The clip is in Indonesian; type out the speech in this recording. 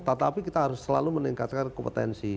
tetapi kita harus selalu meningkatkan kompetensi